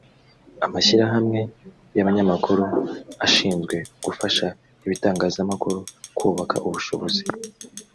amashyirahamwe y‘abanyamakuru ashinzwe gufasha ibitangazamakuru kubaka ubushobozi